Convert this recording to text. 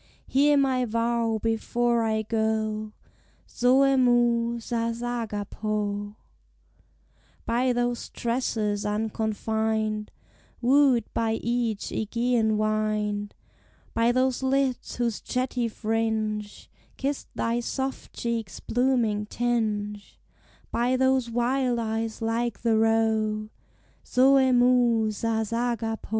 Hear my vow before I go, [Greek: Zôê moy sas hagapô.] By those tresses unconfined, Wooed by each Ægean wind; By those lids whose jetty fringe Kiss thy soft cheeks' blooming tinge; By those wild eyes like the roe, [Greek: Zôê moy sas hagapô.